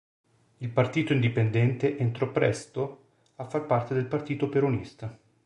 Il Partito Indipendente entrò presto, a far parte del Partito Peronista.